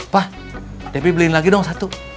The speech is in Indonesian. pak debbie beliin lagi dong satu